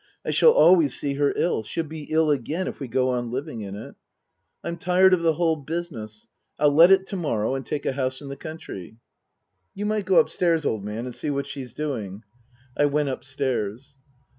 I shall always see her ill. She'll be ill again if we go on living in it. "I'm tired of the whole business I'll let it to morrow and take a house in the country. "You might go upstairs, old man, and see what she's doing." I went upstairs.